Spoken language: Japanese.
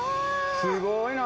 すごいな。